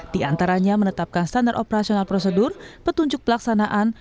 di antaranya menetapkan standar operasional prosedur petunjuk pelaksanaan